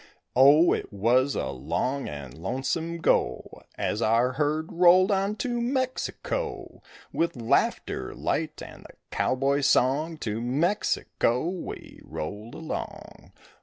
Oh, it was a long and lonesome go As our herd rolled on to Mexico; With laughter light and the cowboy's song To Mexico we rolled along.